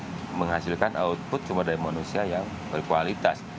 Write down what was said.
dan kemudian juga menghasilkan output dari manusia yang berkualitas